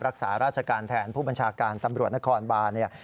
รักษาราชการแทนผู้บัญชาการตำรวจนครบานเนี่ย